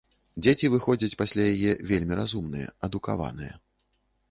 Дзеці выходзяць пасля яе вельмі разумныя, адукаваныя.